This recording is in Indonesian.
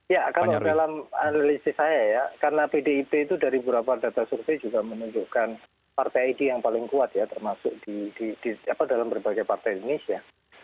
ya kalau dalam analisis saya ya karena pdip itu dari beberapa data survei juga menunjukkan partai id yang paling kuat ya termasuk di dalam berbagai partai indonesia